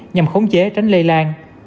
nhằm khống chế tránh lây lan